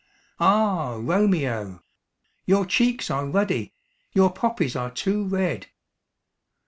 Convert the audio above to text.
"Ah, Romeo! Your cheeks are ruddy your poppies are too red."